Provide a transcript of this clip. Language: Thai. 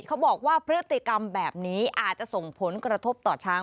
เขาบอกว่าพฤติกรรมแบบนี้อาจจะส่งผลกระทบต่อช้าง